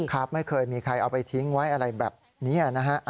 ครับไม่เคยมีใครเอาไปทิ้งไว้อะไรแบบนี้นะฮะ